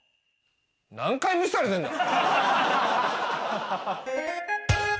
何回無視されてんだ！